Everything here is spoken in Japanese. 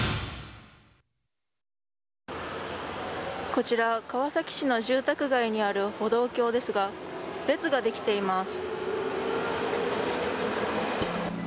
こちら、川崎市の住宅街にある歩道橋ですが列ができています。